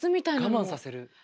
我慢させる。